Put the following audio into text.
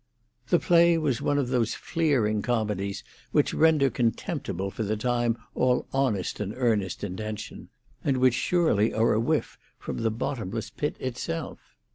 The play was one of those fleering comedies which render contemptible for the time all honest and earnest intention, and which surely are a whiff from the bottomless pit itself.